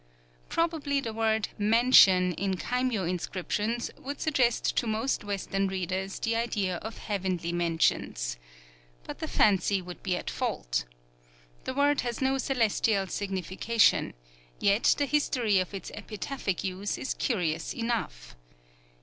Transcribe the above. Probably the word "mansion" in kaimyō inscriptions would suggest to most Western readers the idea of heavenly mansions. But the fancy would be at fault. The word has no celestial signification; yet the history of its epitaphic use is curious enough.